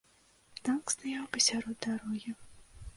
Танк стаяў пасярод дарогі.